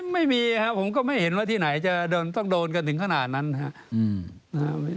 ไม่มีครับผมก็ไม่เห็นว่าที่ไหนจะต้องโดนกันถึงขนาดนั้นครับ